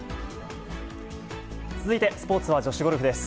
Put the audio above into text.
続いてスポーツは女子ゴルフです。